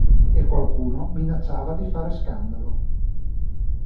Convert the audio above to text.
E qualcuno minacciava di fare scandalo.